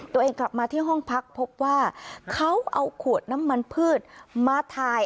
กลับมาที่ห้องพักพบว่าเขาเอาขวดน้ำมันพืชมาถ่าย